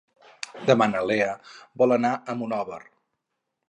Demà na Lea vol anar a Monòver.